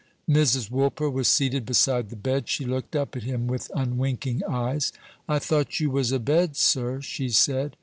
Mrs. Woolper was seated beside the bed. She looked up at him with unwinking eyes. "I thought you was abed, sir," she said.